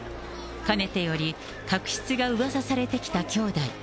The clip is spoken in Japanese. かねてより確執がうわさされてきた兄弟。